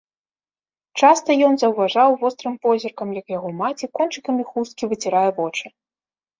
Часта ён заўважаў вострым позіркам, як яго маці кончыкамі хусткі выцірае вочы.